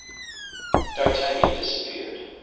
D'Artagnan disappeared.